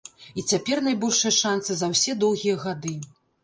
І цяпер найбольшыя шанцы за ўсе доўгія гады.